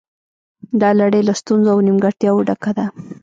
دا لړۍ له ستونزو او نیمګړتیاوو ډکه ده